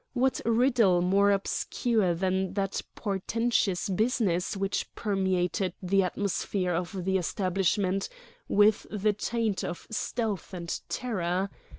What riddle more obscure than that portentous business which permeated the atmosphere of the establishment with the taint of stealth and terror?